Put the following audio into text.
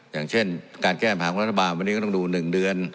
อย่างเช่นการแก้ปัญหาของรัฐบาลวันนี้ก็ต้องดู๑เดือน